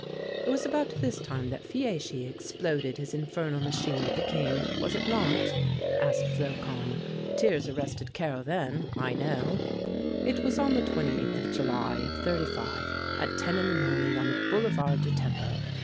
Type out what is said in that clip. "It was about this time that Fieschi exploded his infernal machine at the King, was it not?" asked Flocon. "Thiers arrested Carrel then, I know." "It was on the 28th of July of '35, at ten in the morning, on the Boulevard du Temple.